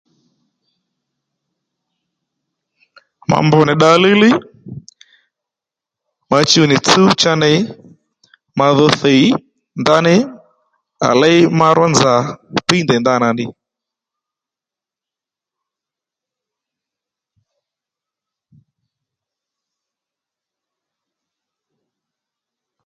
Ma mb nì dda líylíy ma chuw nì tsúw cha ney ma dho thìy ndaní à léy ma ró nzà tdíy ndèy ndanà ddiy